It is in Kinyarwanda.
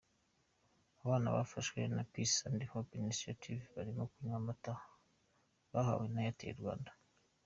Abana bafashwa na Peace and Hope Initiative barimo kunywa amata bahawe na Airtel Rwanda.